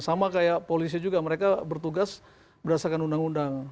sama kayak polisi juga mereka bertugas berdasarkan undang undang